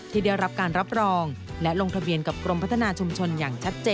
ที่ได้รับการรับรองและลงทะเบียนกับกรมพัฒนาชุมชนอย่างชัดเจน